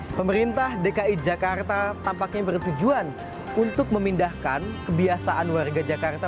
pemerintah dki jakarta tampaknya bertujuan untuk memindahkan kebiasaan warga jakarta